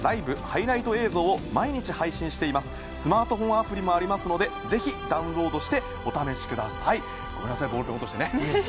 スマートフォンアプリもありますのでぜひダウンロードしてお試しください。